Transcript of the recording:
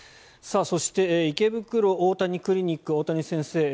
そして、池袋大谷クリニック大谷先生